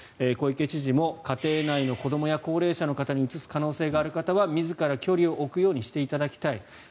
小池知事も家庭内の子どもや高齢者の方にうつす可能性がある方は自ら距離を置くようにしていただきたい。